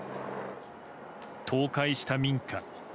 倒壊した民家。